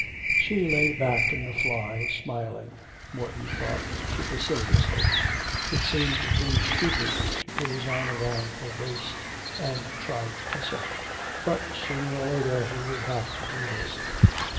She lay back in the fly smiling, Morton thought, superciliously. It seemed to him stupid to put his arm round her waist and try to kiss her. But, sooner or later, he would have to do this.